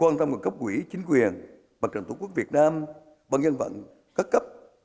quan tâm của cấp quỹ chính quyền bậc trưởng tổ quốc việt nam bậc nhân vận các cấp